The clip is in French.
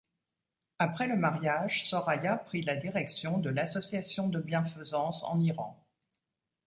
Après le mariage, Soraya prit la direction de l'association de bienfaisance en Iran.